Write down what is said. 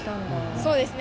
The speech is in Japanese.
そうですね。